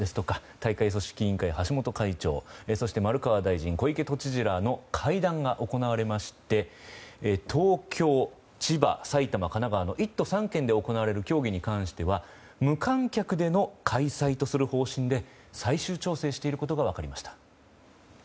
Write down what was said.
大会組織委員会の橋本会長丸川大臣、小池都知事らの会談が行われまして東京、千葉、埼玉、神奈川の１都３県で行われる競技に関しては無観客での開催とする方針で最終調整していることが分かりました。